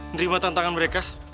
nerima tantangan mereka